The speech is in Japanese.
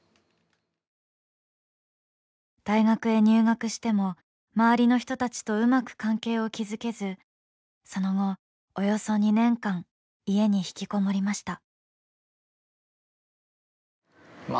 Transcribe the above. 大学へ入学しても周りの人たちとうまく関係を築けずその後、およそ２年間家に引きこもりました。